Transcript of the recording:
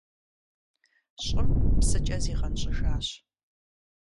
ЩӀым псыкӀэ зигъэнщӀыжащ.